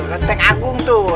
leteng agung tuh